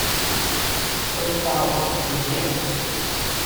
分发为知县。